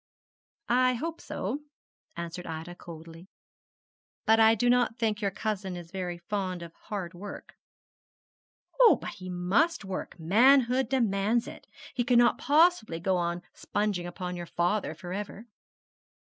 'I hope so,' answered Ida, coldly; 'but I do not think your cousin is very fond of hard work.' 'Oh, but he must work manhood demands it. He cannot possibly go on sponging upon your father for ever.'